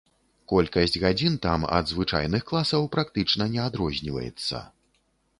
Колькасць гадзін там ад звычайных класаў практычна не адрозніваецца.